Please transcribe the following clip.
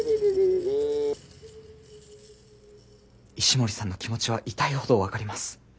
石森さんの気持ちは痛いほど分かります。